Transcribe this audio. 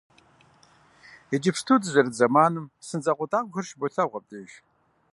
Иджыпсту дызэрыт зэманым сын закъуэтӏакъуэхэр щыболъагъу абдеж.